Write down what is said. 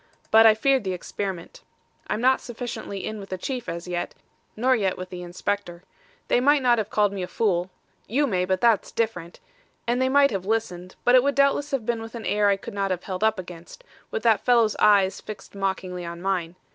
But I feared the experiment. I'm not sufficiently in with the Chief as yet, nor yet with the Inspector. They might not have called me a fool you may; but that's different and they might have listened, but it would doubtless have been with an air I could not have held up against, with that fellow's eyes fixed mockingly on mine.